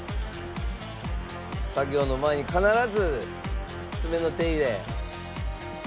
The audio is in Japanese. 「作業の前に必ず爪の手入れ」